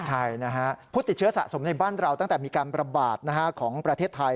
ใช่นะฮะผู้ติดเชื้อสะสมในบ้านเราตั้งแต่มีการประบาดของประเทศไทย